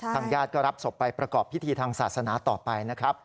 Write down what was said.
ญาติก็รับศพไปประกอบพิธีทางศาสนาต่อไปนะครับ